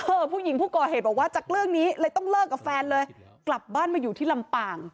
ผู้หญิงผู้ก่อเหตุบอกว่าจากเรื่องนี้เลยต้องเลิกกับแฟนเลยกลับบ้านมาอยู่ที่ลำปาง